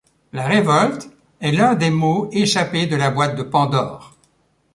La révolte est l’un des maux échappé de la boite de Pandore.